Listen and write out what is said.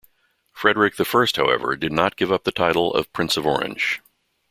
Frederick I, however, did not give up the title of Prince of Orange.